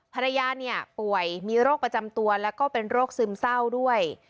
ภรรยาเนี่ยป่วยมีโรคประจำตัวแล้วก็เป็นโรคซึมเศร้าด้วย